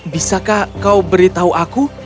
bisakah kau beritahu aku